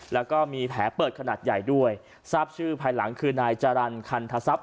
แล้วก็มีแผลเปิดขนาดใหญ่ด้วยทราบชื่อภายหลังคือนายจรรย์คันทศัพย